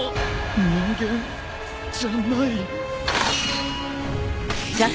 人間じゃない？